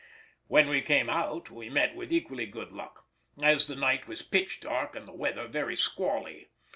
When we came out we met with equally good luck, as the night was pitch dark and the weather very squally.